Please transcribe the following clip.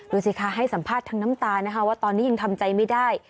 ดูสิคะให้สัมภาษณ์ทั้งน้ำตานะคะว่าตอนนี้ยังทำใจไม่ได้